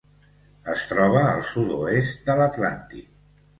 Es troba al sud-oest de l'Atlàntic.